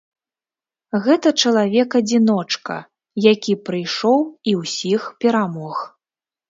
Гэта чалавек-адзіночка, які прыйшоў і ўсіх перамог.